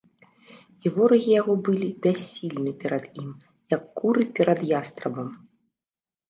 І ворагі яго былі бяссільны перад ім, як куры перад ястрабам.